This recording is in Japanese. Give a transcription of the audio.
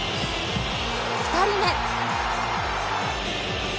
２人目。